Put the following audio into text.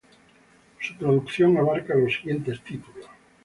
Su producción abarca los siguientes títulos.